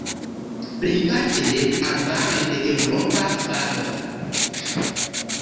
Plejparte arbaroj de eŭropa fago.